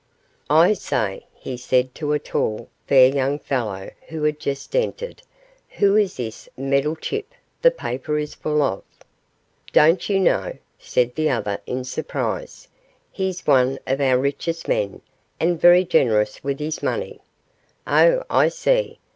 'I say,' he said to a tall, fair young fellow who had just entered, 'who is this Meddlechip the paper is full of?' 'Don't you know?' said the other, in surprise; 'he's one of our richest men, and very generous with his money.' 'Oh, I see!